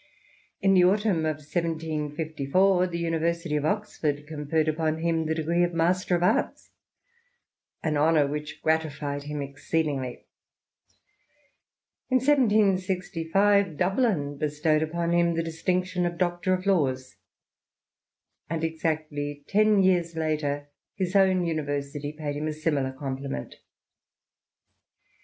In the autumn of 1754 the University of Oxford conferred upon him the degree of Master of Arts, an honour which gratified him exceedingly; in 1765 Dublin bestowed upon him the distinction of Doctor of Laws \ and exactly ten years later his own university paid him a similar compliment.